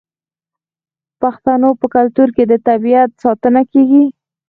د پښتنو په کلتور کې د طبیعت ساتنه کیږي.